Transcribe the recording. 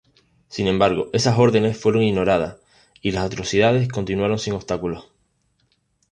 Sin embargo, esas órdenes fueron ignoradas y las atrocidades continuaron sin obstáculos.